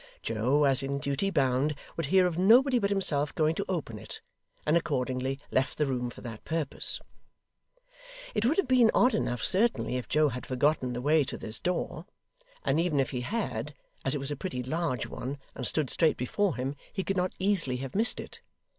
Joe, as in duty bound, would hear of nobody but himself going to open it; and accordingly left the room for that purpose. It would have been odd enough, certainly, if Joe had forgotten the way to this door; and even if he had, as it was a pretty large one and stood straight before him, he could not easily have missed it.